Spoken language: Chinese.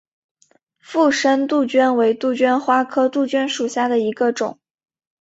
附生杜鹃为杜鹃花科杜鹃属下的一个种。